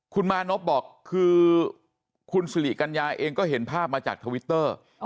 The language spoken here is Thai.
คุณมานพบอกคือคุณสิริกัญญาเองก็เห็นภาพมาจากทวิตเตอร์